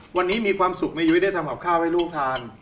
วันนี้มีความสุขไหมยุ้ยได้ทำกับข้าวให้ลูกทาน